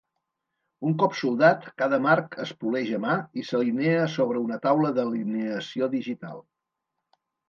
Un cop soldat, cada marc es poleix a mà i s'alinea sobre una taula d'alineació digital.